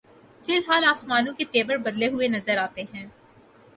فی الحال آسمانوں کے تیور بدلے ہوئے نظر آتے ہیں۔